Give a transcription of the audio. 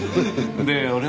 で俺は？